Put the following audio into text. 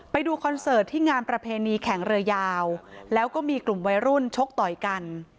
คอนเสิร์ตที่งานประเพณีแข่งเรือยาวแล้วก็มีกลุ่มวัยรุ่นชกต่อยกัน